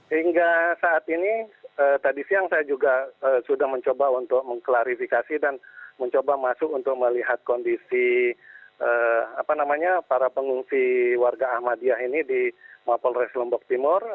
hingga saat ini tadi siang saya juga sudah mencoba untuk mengklarifikasi dan mencoba masuk untuk melihat kondisi para pengungsi warga ahmadiyah ini di mapolres lombok timur